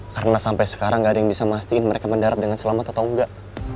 karena sampai sekarang gak ada yang bisa mastiin mereka mendarat dengan selamat atau enggak